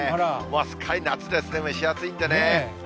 すっかり夏ですね、蒸し暑いんでね。